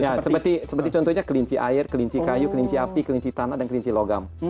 ya seperti contohnya kelinci air kelinci kayu kelinci api kelinci tanah dan kelinci logam